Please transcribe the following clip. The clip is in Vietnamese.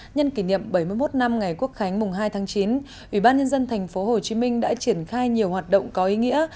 nhân kỷ niệm bảy mươi một năm ngày quốc khánh hai tháng chín ubnd tp hcm đã triển khai nhiều hoạt động có ý nghĩa